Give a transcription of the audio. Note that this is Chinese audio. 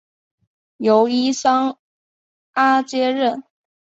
由伊桑阿接任。